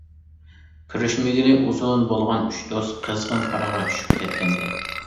كۆرۈشمىگىلى ئۇزۇن بولغان ئۈچ دوست قىزغىن پاراڭغا چۈشۈپ كەتكەنىدى.